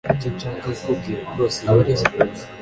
Icyo nshaka kukubwira rwose ni iki: